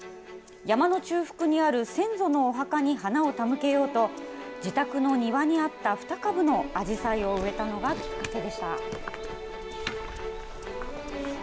山の中腹にある先祖のお墓に花を手向けようと、自宅の庭にあった２株のあじさいを植えたのがきっかけでした。